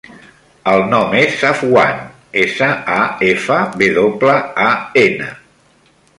El nom és Safwan: essa, a, efa, ve doble, a, ena.